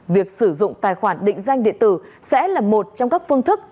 việc sử dụng tài khoản định danh điện tử sẽ là một trong các phương thức